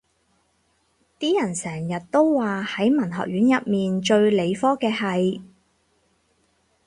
啲人成日都話係文學院入面最理科嘅系